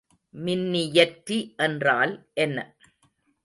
மின்னியற்றி என்றால் என்ன?